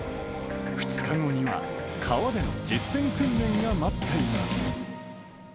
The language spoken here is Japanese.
２日後には、川での実践訓練が待っています。